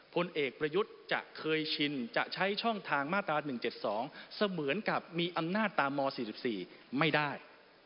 พลเอกประยุทธ์จะเคยชินจะใช้ช่องทางมาตรา๑๗๒เสมือนกับมีอำนาจตามม๔๔ไม่ได้